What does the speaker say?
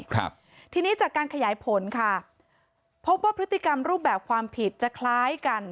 ครับทีนี้จากการขยายผลค่ะพบว่าพฤติกรรมรูปแบบความผิดจะคล้ายกัน